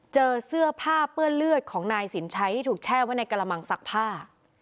เจอเสื้อผ้าเปื้อนเลือดของนายสินชัยที่ถูกแช่ไว้ในกระมังซักผ้า